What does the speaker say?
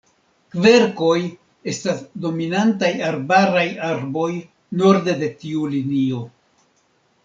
Kverkoj estas dominantaj arbaraj arboj norde de tiu linio.